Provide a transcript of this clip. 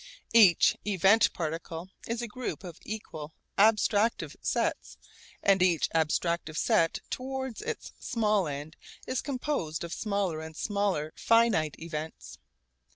Each event particle is a group of equal abstractive sets and each abstractive set towards its small end is composed of smaller and smaller finite events.